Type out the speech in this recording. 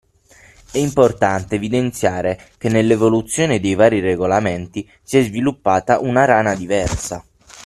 è importante evidenziare che nell’evoluzione dei vari regolamenti si è sviluppata una rana diversa.